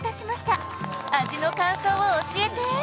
味の感想を教えて